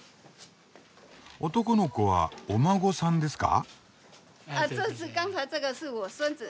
男の子はお孫さんですか？